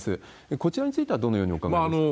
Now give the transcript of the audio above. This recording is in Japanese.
こちらについてはどのようにお考えですか？